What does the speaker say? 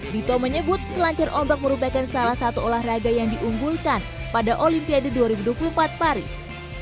dito menyebut selancar ombak merupakan salah satu olahraga yang diunggulkan pada olimpiade dua ribu dua puluh empat paris